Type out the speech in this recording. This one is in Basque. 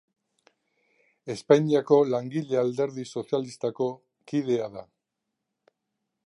Espainiako Langile Alderdi Sozialistako kidea da.